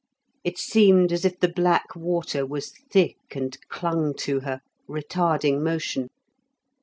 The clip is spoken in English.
It seemed as if the black water was thick and clung to her, retarding motion.